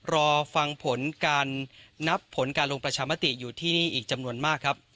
รอฟังผลการนับผลการลงประชามติอยู่ที่นี่อีกจำนวนมากครับ